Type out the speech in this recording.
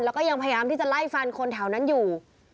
แล้วก็ยังพยายามที่จะไล่ฟันคนแถวนั้นอยู่